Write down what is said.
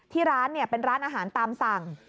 ที่ร้านเป็นร้านอาหารตามสั่ง